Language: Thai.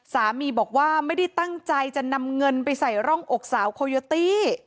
สามีบอกว่าไม่ได้ตั้งใจจะนำเงินไปใส่ร่องอกสาวโคโยตี้